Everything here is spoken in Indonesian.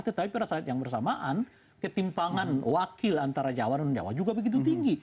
tetapi pada saat yang bersamaan ketimpangan wakil antara jawa dan jawa juga begitu tinggi